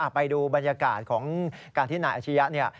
ไปดูบรรยากาศของการที่หน่ายอาชิริยะ